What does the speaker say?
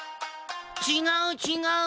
ちがうちがう。